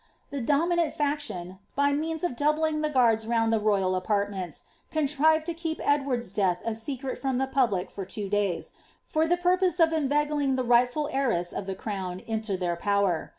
The dominant ftctton, by means of doubling the guards round the royal apartments, contrived to keep Ed ward's death a secret from the public for two days, for the purpose of inveigling the rightful heiress of the crown into their power.